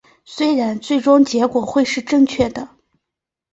虽然最终结果会是正确的